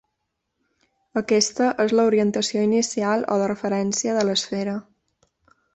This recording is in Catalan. Aquesta és la orientació inicial o de referència de l'esfera.